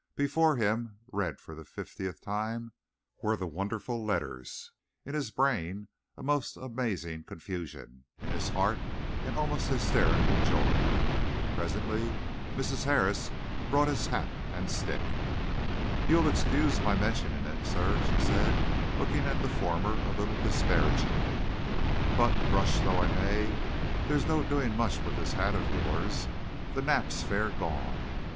Before him, read for the fiftieth time, were the wonderful letters, in his brain a most amazing confusion, in his heart an almost hysterical joy. Presently Mrs. Harris brought in his hat and stick. "You'll excuse my mentioning it, sir," she said, looking at the former a little disparagingly, "but, brush though I may, there's no doing much with this hat of yours. The nap's fair gone.